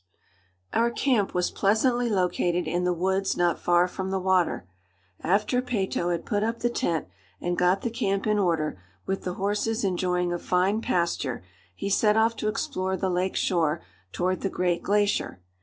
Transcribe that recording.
Our camp was pleasantly located in the woods not far from the water. After Peyto had put up the tent and got the camp in order, with the horses enjoying a fine pasture, he set off to explore the lake shore toward the Great Glacier.